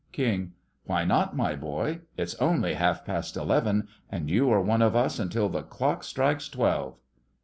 KING: Why not, my boy? It's only half past eleven, and you are one of us until the clock strikes twelve.